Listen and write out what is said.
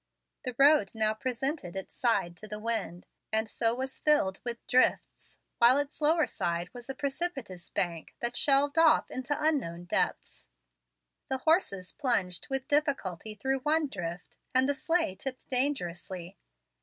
The road now presented its side to the wind, and so was filled with drifts, while its lower side was a precipitous bank that shelved off into unknown depths. The horses plunged with difficulty through one drift, and the sleigh tipped dangerously.